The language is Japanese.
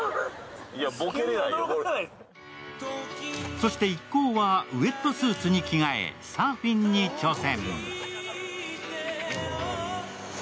そして一行はウエットスーツに着替え、サーフィンに挑戦。